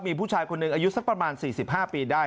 มีผู้ชายคนหนึ่งอายุสักประมาณ๔๕ปีได้